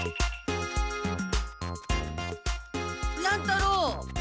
乱太郎。